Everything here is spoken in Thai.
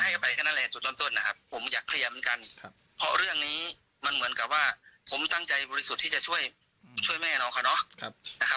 วันนี้มันเหมือนกับว่าผมตั้งใจบริสุทธิ์ที่จะช่วยแม่น้องค่ะเนาะ